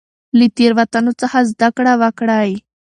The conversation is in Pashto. له تیروتنو څخه زده کړه وکړئ.